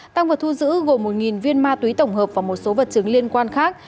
tăng vật thu giữ gồm một viên ma túy tổng hợp và một số vật chứng liên quan khác